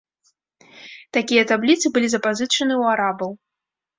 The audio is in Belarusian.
Такія табліцы былі запазычаны ў арабаў.